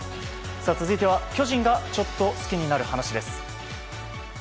続いては巨人がちょっと好きになる話です。